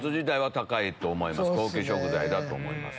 高級食材だと思います。